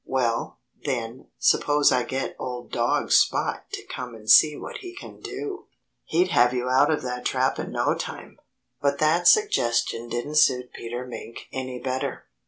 "Well, then suppose I get old dog Spot to come and see what he can do! He'd have you out of that trap in no time!" But that suggestion didn't suit Peter Mink any better.